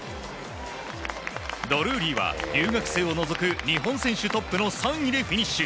ドルーリーは留学生を除く日本選手トップの３位でフィニッシュ。